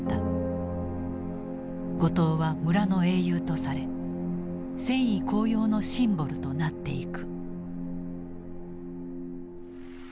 後藤は村の英雄とされ戦意高揚のシンボルとなっていく。